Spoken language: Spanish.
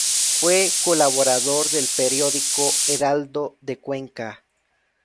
Fue colaborador del periódico "Heraldo de Cuenca".